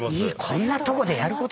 こんなとこでやることじゃない。